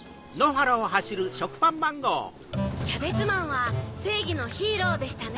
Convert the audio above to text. キャベツマンはせいぎのヒーローでしたね。